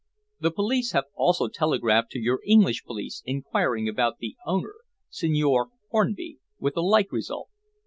The police have also telegraphed to your English police inquiring about the owner, Signor Hornby, with a like result.